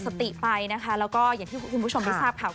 ส่งมาให้โอโนเฟอร์เรเวอร์